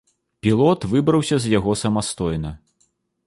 Пілот выбраўся з яго самастойна.